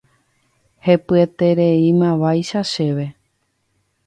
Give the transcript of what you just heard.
Hepyetereímavaicha chéve.